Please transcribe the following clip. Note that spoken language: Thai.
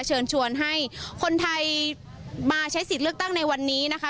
เชิญชวนให้คนไทยมาใช้สิทธิ์เลือกตั้งในวันนี้นะคะ